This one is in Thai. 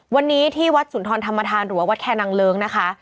วันนี้ที่วัดสุนทรธรรมธานหรือว่าวัดแคนางเลิ้งนะคะ